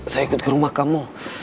saya ikut ke rumah kamu